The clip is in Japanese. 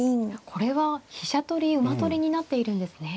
これは飛車取り馬取りになっているんですね。